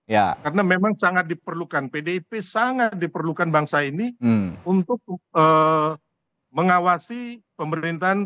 ya karena memang sangat diperlukan pdip sangat diperlukan bangsa ini untuk mengawasi pemerintahan